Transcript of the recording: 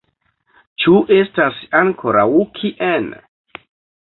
Ĉu estas ankoraŭ kien?